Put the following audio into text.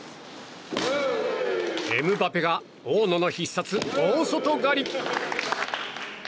エムバペが大野の必殺大外刈り。